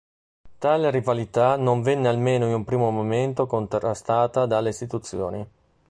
Tale rivalità non venne almeno in un primo momento contrastata dalle istituzioni.